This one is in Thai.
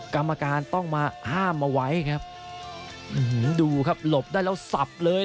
กรรมการต้องมาห้ามเอาไว้ครับดูครับหลบได้แล้วสับเลย